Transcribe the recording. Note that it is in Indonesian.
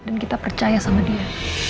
dan kita percaya sama dia